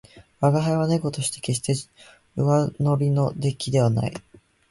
吾輩は猫として決して上乗の出来ではない